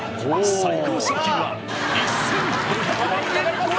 最高賞金は１５００万円超え！